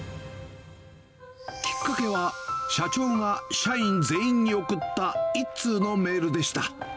きっかけは、社長が社員全員に送った一通のメールでした。